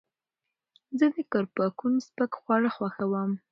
زه د کرپونکي سپک خواړه خوښوم.